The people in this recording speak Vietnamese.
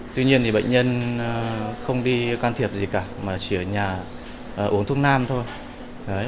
tuy nhiên thì bệnh nhân không đi can thiệp gì cả mà chỉ ở nhà uống thuốc nam thôi